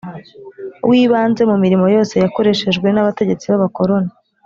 w ibanze mu mirimo yose yokoreshejwe n abategetsi b abakoroni